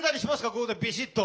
ここでビシッと！